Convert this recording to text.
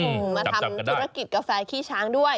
มาทำธุรกิจกาแฟขี้ช้างด้วย